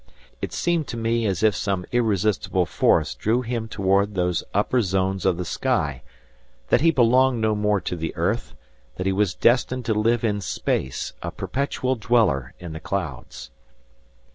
It seemed to me as if some irresistible force drew him toward those upper zones of the sky, that he belonged no more to the earth, that he was destined to live in space; a perpetual dweller in the clouds.